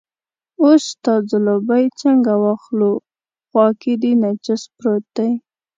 اوس ستا ځلوبۍ څنګه واخلو، خوا کې دې نجس پروت دی.